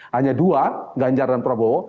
hanya dua ganjar dan prabowo